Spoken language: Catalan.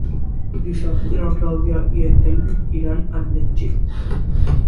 Dissabte na Clàudia i en Telm iran al metge.